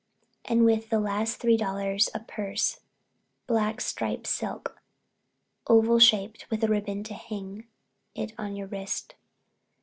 And with the last three dollars a purse, black striped silk, oval shaped with a ribbon to hang it to your wrist.